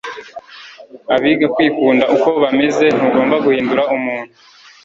abiga kwikunda uko bameze ntugomba guhindura umuntu